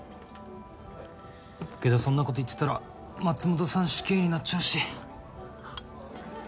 けどそんなこと言ってたら松本さん死刑になっちゃうし。